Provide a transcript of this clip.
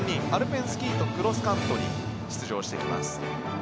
アルペンスキーとクロスカントリーに出場してきます。